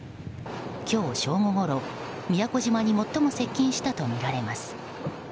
今日正午ごろ、宮古島に最も接近したとみられます。